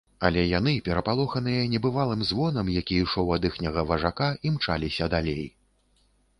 Але яны, перапалоханыя небывалым звонам, які ішоў ад іхняга важака, імчаліся далей.